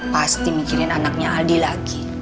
pasti mikirin anaknya aldi lagi